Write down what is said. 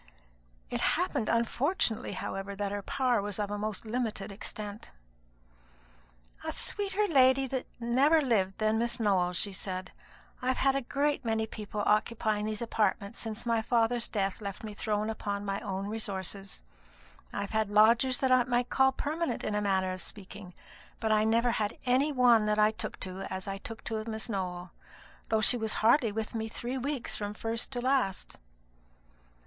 It happened unfortunately, however, that her power was of a most limited extent. "A sweeter young lady never lived than Miss Nowell," she said. "I've had a great many people occupying these apartments since my father's death left me thrown upon my own resources. I've had lodgers that I might call permanent, in a manner of speaking; but I never had any one that I took to as I took to Miss Nowell, though she was hardly with me three weeks from first to last."